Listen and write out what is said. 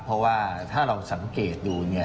เพราะว่าถ้าเราสังเกตดูเนี่ย